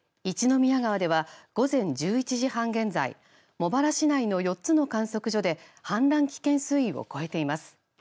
一宮川では午前１１時半現在茂原市内の４つの観測所で氾濫危険水位を超えています。